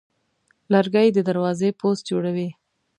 لرګی د دروازې پوست جوړوي.